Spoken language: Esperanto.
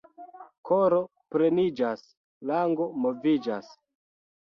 Koro pleniĝas — lango moviĝas.